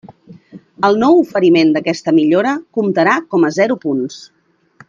El no oferiment d'aquesta millora comptarà com a zero punts.